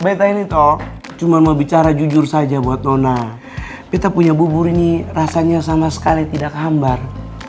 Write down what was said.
betta ini toh cuman mau bicara jujur saja buat nona betta punya bubur ini rasanya sama sekali tidak hambar